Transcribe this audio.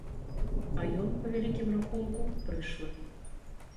А ён, па вялікім рахунку, прышлы.